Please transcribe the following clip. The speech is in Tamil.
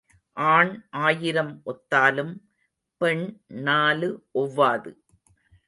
ஆண் ஆயிரம் ஒத்தாலும் பெண் நாலு ஒவ்வாது.